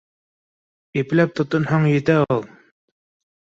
Ипләп тотонһаң, етә ул.